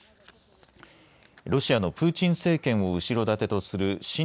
ロシアのプーチン政権を後ろ盾とする親